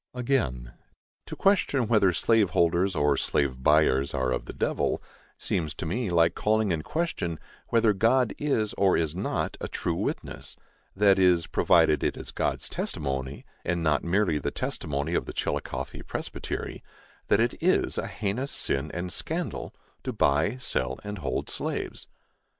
Again: To question whether slave holders or slave buyers are of the devil, seems to me like calling in question whether God is or is not a true witness; that is, provided it is God's testimony, and not merely the testimony of the Chillicothe Presbytery, that it is a "heinous sin and scandal" to buy, sell and hold slaves.